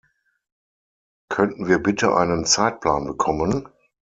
Könnten wir bitte einen Zeitplan bekommen?